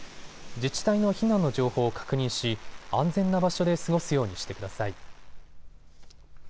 自治体の避難の情報を確認し安全な場所で過ごすようにしてください。